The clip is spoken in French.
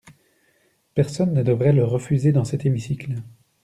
Personne ne devrait le refuser dans cet hémicycle.